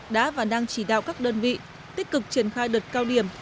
đã và đang chỉ đạo các đơn vị tích cực triển khai đợt cao điểm